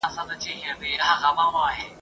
غریب سړي ته بازار هم کوهستان دئ ..